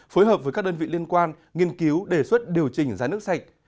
phối hợp với các đơn vị liên quan nghiên cứu đề xuất điều chỉnh giá nước sạch